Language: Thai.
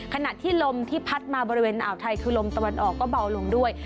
ขณะที่ลมที่พัดมาบริเวณอ่าวไทยคือลมตะวันออกก็เบาลงด้วย